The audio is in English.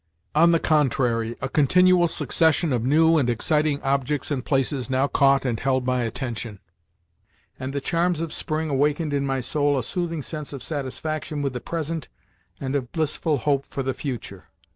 On the contrary, a continual succession of new and exciting objects and places now caught and held my attention, and the charms of spring awakened in my soul a soothing sense of satisfaction with the present and of blissful hope for the future.